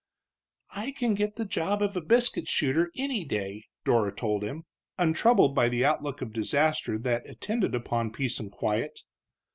"I can get a job of biscuit shooter any day," Dora told him, untroubled by the outlook of disaster that attended upon peace and quiet.